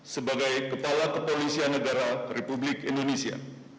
sebagai kepala kepolisian negara republik indonesia